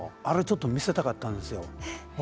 あれをちょっと見せたかったんですよ